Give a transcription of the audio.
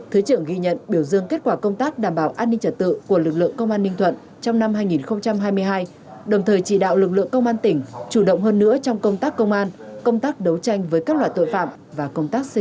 thứ trưởng ghi nhận biểu dương kết quả công tác đảm bảo an ninh trật tự của lực lượng công an ninh thuận trong năm hai nghìn hai mươi hai đồng thời chỉ đạo lực lượng công an tỉnh chủ động hơn nữa trong công tác công an công tác đấu tranh với các loại tội phạm và công tác xây dựng